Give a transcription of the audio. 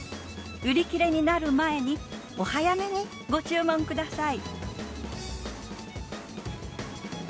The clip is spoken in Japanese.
売り切れになる前にお早めにご注文ください。